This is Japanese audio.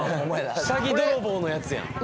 下着泥棒のやつやん